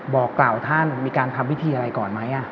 บอกกล่าวท่านมีการทำพิธีอะไรก่อนไหม